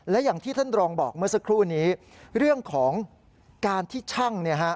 และอย่างที่ท่านรองบอกเมื่อสักครู่นี้เรื่องของการที่ช่างเนี่ยฮะ